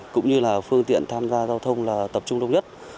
cũng như là phương tiện tham gia giao thông là tập trung đông nhất